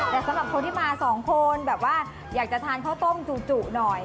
แต่สำหรับคนที่มาสองคนแบบว่าอยากจะทานข้าวต้มจู่หน่อย